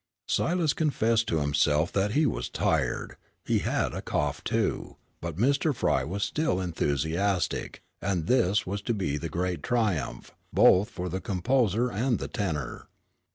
Silas confessed to himself that he was tired; he had a cough, too, but Mr. Frye was still enthusiastic, and this was to be the great triumph, both for the composer and the tenor.